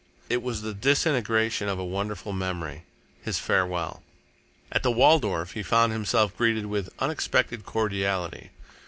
It was the disintegration of a wonderful memory his farewell.... At the Waldorf he found himself greeted with unexpected cordiality.